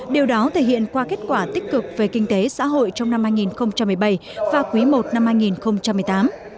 điều đó thể hiện qua kết quả tích cực về kinh tế xã hội trong năm hai nghìn một mươi bảy và quý i năm hai nghìn một mươi tám